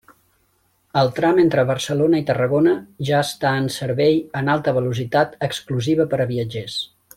El tram entre Barcelona i Tarragona ja està en servei en alta velocitat exclusiva per a viatgers.